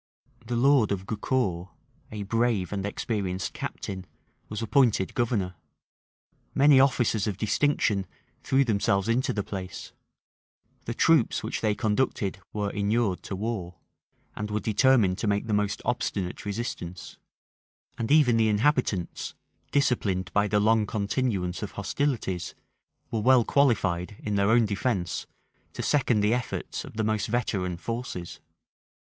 The lord of Gaucour, a brave and experienced captain, was appointed governor: many officers of distinction threw themselves into the place: the troops which they conducted were inured to war, and were determined to make the most obstinate resistance: and even the inhabitants, disciplined by the long continuance of hostilities, were well qualified, in their own defence, to second the efforts of the most veteran forces.